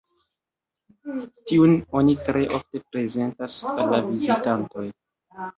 Tiun oni tre ofte prezentas al la vizitantoj.